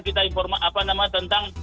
kita informasi tentang